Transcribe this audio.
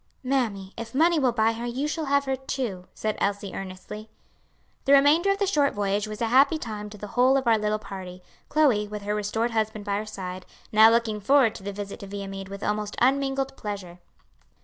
"Mammy, if money will buy her, you shall have her, too," said Elsie earnestly. The remainder of the short voyage was a happy time to the whole of our little party, Chloe, with her restored husband by her side, now looking forward to the visit to Viamede with almost unmingled pleasure.